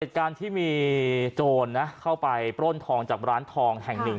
การที่มีโจรนะเข้าไปปล้นทองจากร้านทองแห่งหนึ่ง